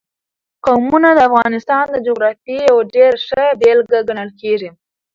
قومونه د افغانستان د جغرافیې یوه ډېره ښه بېلګه ګڼل کېږي.